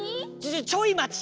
ちょいまち！